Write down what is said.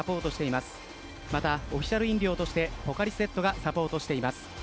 また、オフィシャル飲料としてポカリスエットがサポートしています。